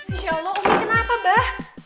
insya allah umi kenapa bah